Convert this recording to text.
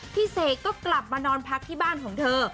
เสกก็กลับมานอนพักที่บ้านของเธอ